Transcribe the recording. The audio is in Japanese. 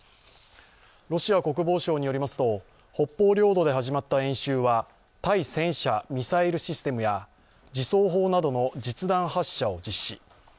ロシア国防省によりますと北方領土で始まった演習は対戦車ミサイルシステムや自走砲などの実弾発射を実施。